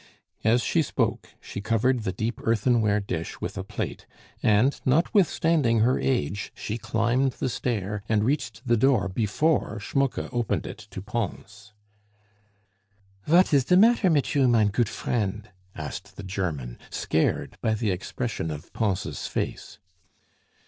As she spoke she covered the deep earthenware dish with a plate; and, notwithstanding her age, she climbed the stair and reached the door before Schmucke opened it to Pons. "Vat is de matter mit you, mein goot friend?" asked the German, scared by the expression of Pons' face.